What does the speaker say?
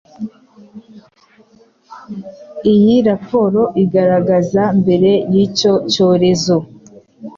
Iyi raporo igaragaza mbere y'icyo cyorezo